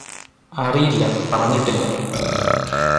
അറിയില്ല പറഞ്ഞിട്ടില്ല